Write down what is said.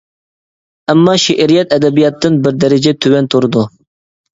ئەمما، شېئىرىيەت ئەدەبىياتتىن بىر دەرىجە تۆۋەن تۇرىدۇ.